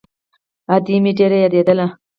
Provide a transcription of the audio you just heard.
ادې مې ډېره يادېدله.